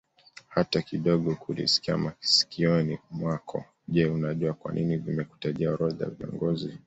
hata kidogokulisikia masikioni mwako Je unajua kwanini nimekutajia orodha ya viongozi